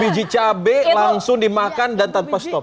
tiga puluh biji cabai langsung dimakan dan tanpa stop